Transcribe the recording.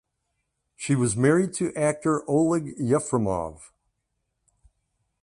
She was married to actor Oleg Yefremov.